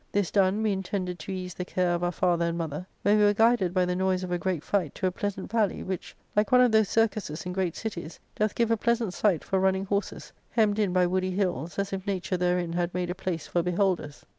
This done, we intended to ease the care of our father and mother, when we were guided by the noise of a great fight to a pleasant valley, which, like one of those cir cuses in great cities, doth give a pleasant sight for running horses, hemmed in by woody hills as if Nature therein had^ made a place for beholders.